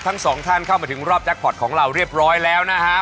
ทั้งสองท่านเข้ามาถึงรอบแจ็คพอร์ตของเราเรียบร้อยแล้วนะฮะ